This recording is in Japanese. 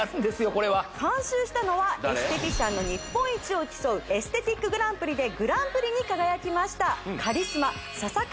これは監修したのはエステティシャンの日本一を競うエステティックグランプリでグランプリに輝きました出た！